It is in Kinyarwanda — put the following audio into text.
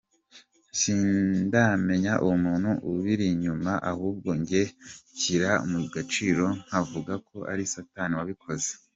Sindamenya umuntu ubiri inyuma ahubwo njye nshyira mu gaciro nkavuga ko ari satani wabikoze.